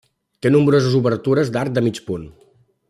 Té nombroses obertures d'arc de mig punt.